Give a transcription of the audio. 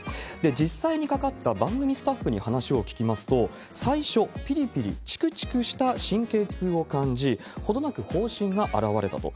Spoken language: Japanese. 実際にかかった番組スタッフに話を聞きますと、最初、ぴりぴり、ちくちくした神経痛を感じ、程なく方針が現れたと。